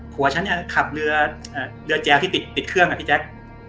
อ้อผัวฉันเนี่ยขับเรือแจ๊วที่ติดเครื่องอะพี่แจ๊ก